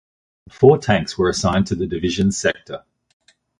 Four tanks were assigned to the division's sector.